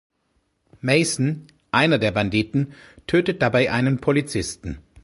Mason, einer der Banditen, tötet dabei einen Polizisten.